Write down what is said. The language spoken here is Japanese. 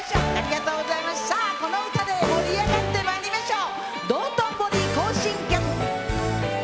この歌で盛り上がってまいりましょう！